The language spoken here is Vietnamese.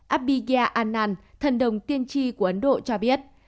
abhigya anand thần đồng tiên tri của ấn độ cho biết